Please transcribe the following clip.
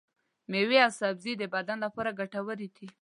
ميوې او سبزي د بدن لپاره ګټورې دي.